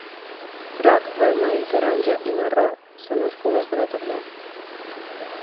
Groc, vermell, taronja i marró són els colors de la tardor.